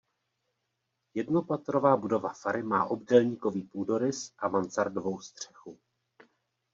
Jednopatrová budova fary má obdélníkový půdorys a mansardovou střechu.